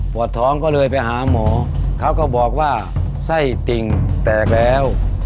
ท้องก็เลยไปหาหมอเขาก็บอกว่าไส้ติ่งแตกแล้ว